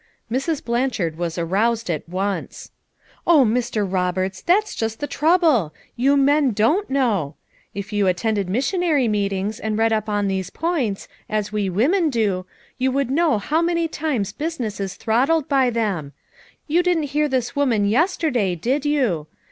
Mrs. Blanchard was roused at once. "Oh, Mr. Roberts that's just the trouble, — you men don't know; if you attended mission ary meetings and read up on these points, as we women do, you would know how many times FOUR MOTHERS AT CHAUTAUQUA 193 business is throttled by them. You didn't hear this woman, yesterday, did you!